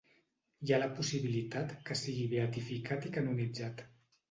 Hi ha la possibilitat que sigui beatificat i canonitzat.